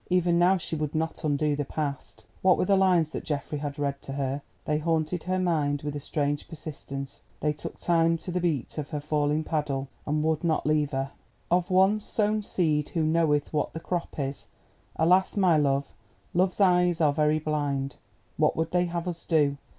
Even now, she would not undo the past. What were the lines that Geoffrey had read to her. They haunted her mind with a strange persistence—they took time to the beat of her falling paddle, and would not leave her: "Of once sown seed, who knoweth what the crop is? Alas, my love, Love's eyes are very blind! What would they have us do?